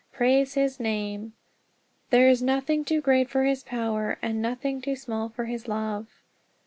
Praise his name! "There is nothing too great for his power, And nothing too small for his love!"